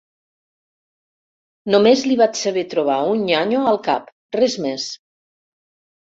Només li vaig saber trobar un nyanyo al cap. Res més.